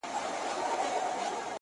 پر دې دُنیا سوځم پر هغه دُنیا هم سوځمه ـ